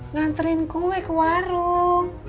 ngantrin kue ke warung